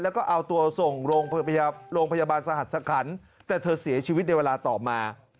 แล้วก็เอาตัวส่งโรงพยาบาลสหัสสคันแต่เธอเสียชีวิตในเวลาต่อมา